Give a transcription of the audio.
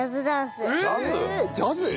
ジャズ？